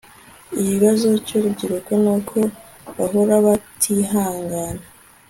ikibazo cyurubyiruko nuko bahora batihangana